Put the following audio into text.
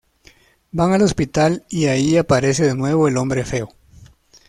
Van al hospital y allí aparece de nuevo el hombre feo.